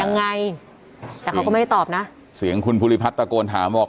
ยังไงแต่เขาก็ไม่ได้ตอบนะเสียงคุณภูริพัฒน์ตะโกนถามบอก